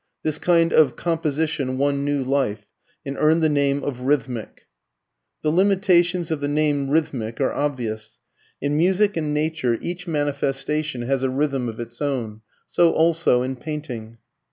] this kind of composition won new life, and earned the name of "rhythmic." The limitations of the term "rhythmic" are obvious. In music and nature each manifestation has a rhythm of its own, so also in painting.